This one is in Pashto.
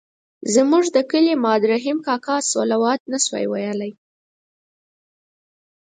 زموږ د کلي ماد رحیم کاکا الصلواة نه شوای ویلای.